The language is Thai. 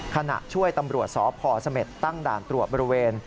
ขณะช่วยตำรวจสพเสม็ดตั้งด่านตรวจบริเวณ